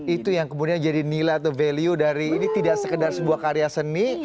itu yang kemudian jadi nilai atau value dari ini tidak sekedar sebuah karya seni